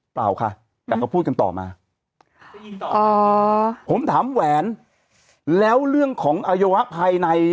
เปล่าค่ะแต่เขาพูดกันต่อมาอ๋อผมถามแหวนแล้วเรื่องของอวัยวะภายใน